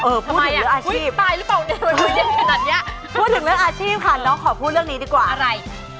เออพูดถึงเรื่องอาชีพค่ะน้องขอพูดเรื่องนี้ดีกว่าพูดถึงเรื่องอาชีพค่ะน้องขอพูดเรื่องนี้ดีกว่าอะไร